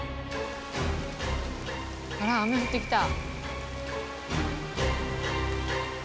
あら雨降ってきた。